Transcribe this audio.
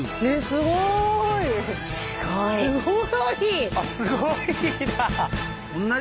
すごいな。